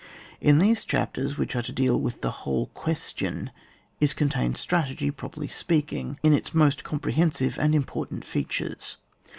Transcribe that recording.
In these chapters, which are to deal with the whole question, is contained stratf^gy, properly speaking, in its most comprehensive and important features.